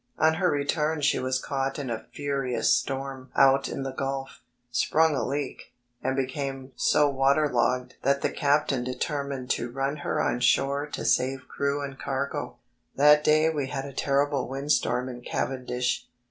On her return she was caught in a furious storm out in the Gulf, sprung a leak, and became so water logged that the captain determined to run her on shore to save crew and cargo. That day we had a terrible windstorm in Cavendish.